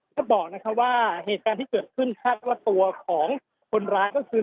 ก็บอกว่าเหตุการณ์ที่เกิดขึ้นคาดว่าตัวของคนร้ายก็คือ